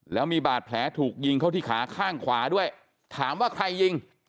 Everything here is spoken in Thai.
แล้วมีบาดแผลถูกยิงเข้าที่ขาข้างขวาด้วยถามว่าใครยิง